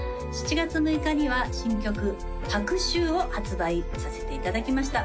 ７月６日には新曲「白秋」を発売させていただきました